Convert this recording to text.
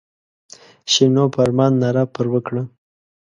شیرینو په ارمان ناره پر وکړه.